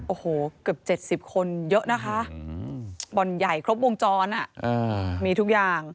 โอ้โหเกือบ๗๐คนเยอะนะคะบ่อนใหญ่ครบวงจรมีทุกอย่าง